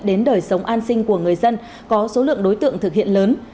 đến đời sống an sinh của người dân có số lượng đối tượng thực hiện lớn